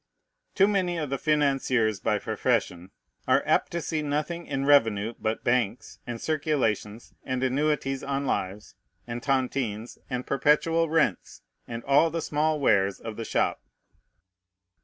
Too many of the financiers by profession are apt to see nothing in revenue but banks, and circulations, and annuities on lives, and tontines, and perpetual rents, and all the small wares of the shop.